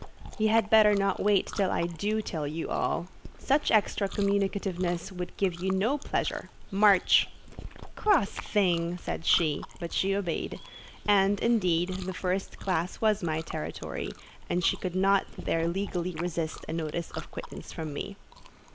"You had better not wait until I do tell you all. Such extra communicativeness could give you no pleasure. March!" "Cross thing!" said she; but she obeyed: and, indeed, the first classe was my territory, and she could not there legally resist a notice of quittance from me.